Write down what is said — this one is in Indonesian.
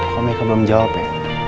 kok mereka belum jawab ya